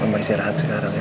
mama istirahat sekarang ya